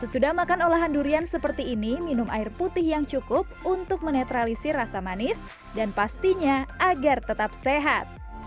sesudah makan olahan durian seperti ini minum air putih yang cukup untuk menetralisi rasa manis dan pastinya agar tetap sehat